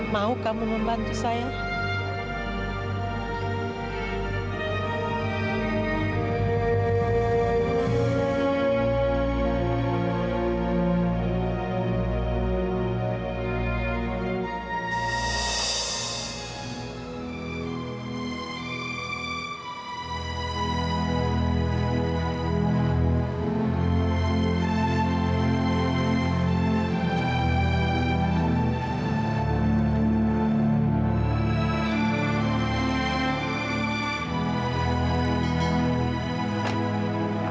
mau kamu membantu saya